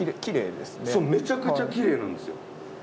めちゃくちゃ奇麗なんですよ。